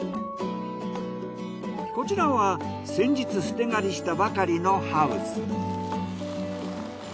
こちらは先日捨て刈りしたばかりのハウス。